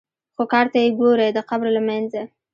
خو کار ته یې ګورې د قبر له منځه.